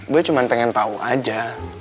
boy cuma pengen tau aja